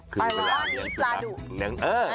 คือเวลาเลี้ยงสุนัข